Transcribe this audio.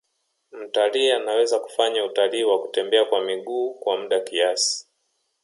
Mtalii anaweza kufanya utalii wa kutembea kwa miguu kwa muda kiasi